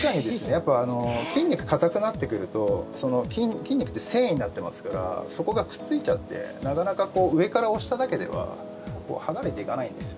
やっぱり筋肉硬くなってくると筋肉って繊維になってますからそこがくっついちゃってなかなか上から押しただけでは剥がれていかないんです。